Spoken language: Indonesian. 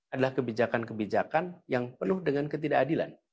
adalah kebijakan kebijakan yang penuh dengan ketidakadilan